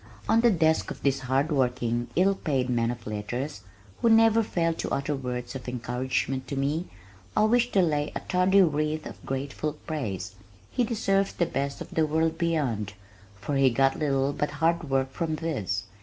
On the desk of this hard working, ill paid man of letters (who never failed to utter words of encouragement to me) I wish to lay a tardy wreath of grateful praise. He deserves the best of the world beyond, for he got little but hard work from this.